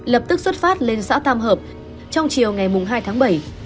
lập tức xuất phát lên xã tam hợp trong chiều ngày hai tháng bảy